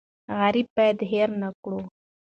غریب باید هېر نکړو.